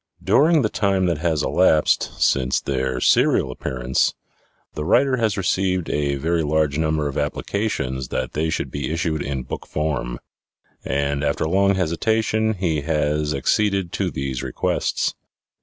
During the time that has elapsed since their serial appearance, the writer has received a very large number of applications that they should be issued in book form; and after long hesitation, he has acceded to these requests.